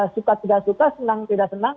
suka tidak suka senang tidak senang